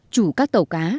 chủ các tàu cá